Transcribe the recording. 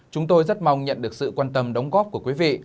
chúng tôi rất mong nhận được sự quan tâm đóng góp của quý vị